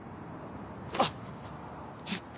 あっ！